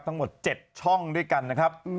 ทั้งหมด๗ช่องด้วยกันนะครับ